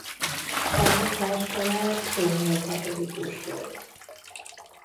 A munkáscsalád római katolikus volt.